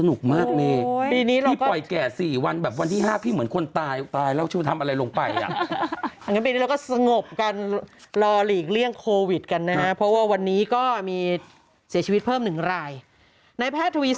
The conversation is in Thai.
รับไปพิธีกรตัวเนี่ยอยู่กับพี่อยู่บนมหลังต่อ